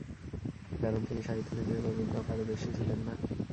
কারণ তিনি সাহিত্য ক্ষেত্রে ততটা পারদর্শী ছিলেন না।